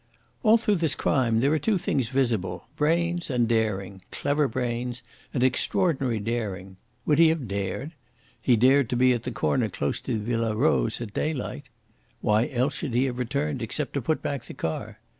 "All through this crime there are two things visible brains and daring; clever brains and extraordinary daring. Would he have dared? He dared to be at the corner close to the Villa Rose at daylight. Why else should he have returned except to put back the car?